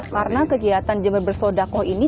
karena kegiatan jember bersodako ini